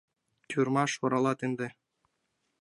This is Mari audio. Тюрьмаш шуралат ынде!..